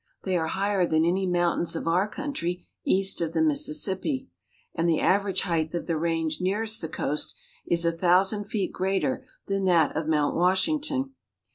They are higher than any mountains of our coun try east of the Mississippi, and the average height of the range nearest the coast is a thousand feet greater than that of Mount Washington.